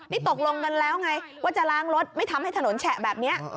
นี่ตกลงกันแล้วไงว่าจะล้างรถไม่ทำให้ถนนแฉะแบบนี้